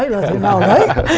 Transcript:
là thế nào đấy